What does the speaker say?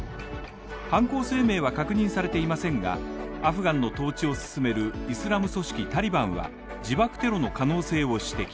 犯行声明は確認されていませんが、アフガンの統治を進めるイスラム組織タリバンは自爆テロの可能性を指摘。